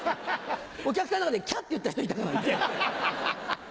お客さんの中で「キャ」って言った人いたからね。